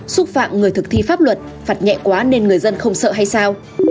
xúc phạm người thực thi pháp luật phạt nhẹ quá nên người dân không sợ hay sao